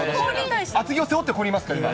厚木を背負って、ここにいますから、今。